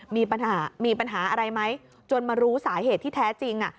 มีปัญหามีปัญหาอะไรไหมจนมารู้สาเหตุที่แท้จริง